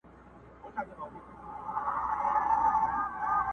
o نجاري د بيزو کار نه دئ٫